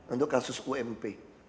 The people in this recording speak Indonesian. untuk kasus ump